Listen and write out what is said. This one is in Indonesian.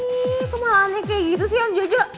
ih kok malah aneh kayak gitu sih om jojo